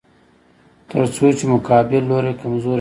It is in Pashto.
تر څو چې مقابل لوری کمزوری نشي.